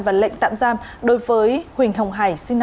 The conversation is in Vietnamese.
và lệnh tạm giam đối với huỳnh hồng hải sinh năm một nghìn chín trăm tám mươi